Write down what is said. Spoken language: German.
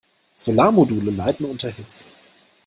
Solarmodule leiden unter Hitze.